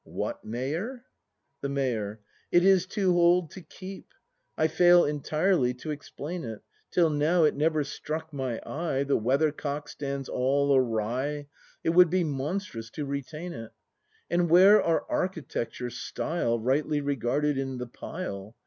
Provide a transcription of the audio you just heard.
What, Mayor! The Mayor. It is too old to keep! I fail entirely to explain it, Till now it never struck my eye, — The weathercock stands all awry; It would be monstrous to retain it. And where are architecture, style, Rightly regarded, in the pile?